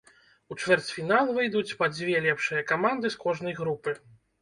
У чвэрцьфінал выйдуць па дзве лепшыя каманды з кожнай групы.